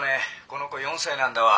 この子４歳なんだわ。